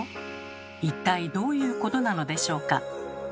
一体どういうことなのでしょうか？